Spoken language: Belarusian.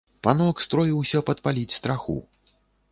Панок строіўся падпаліць страху.